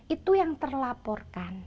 itu yang terlaporkan